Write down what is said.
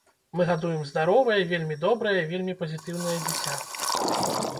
Мы гадуем здаровае, вельмі добрае і вельмі пазітыўнае дзіця.